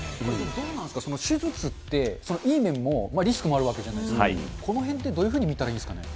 どうなんですかね、手術っていい面も、リスクもあるじゃないですか、このへんって、どういうふうに見たらいいんですかね。